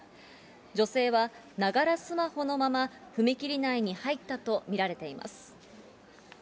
女性はながらスマホのまま、踏切内に入ったと見られています。